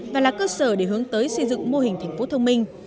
và là cơ sở để hướng tới xây dựng mô hình thành phố thông minh